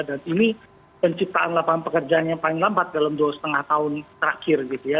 dan ini penciptaan lapangan pekerjaan yang paling lambat dalam dua lima tahun terakhir gitu ya